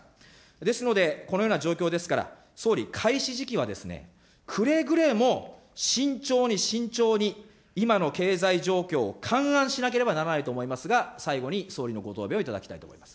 ですので、このような状況ですから、総理、開始時期はくれぐれも慎重に慎重に、今の経済状況を勘案しなければならないと思いますが、最後に総理のご答弁を頂きたいと思います。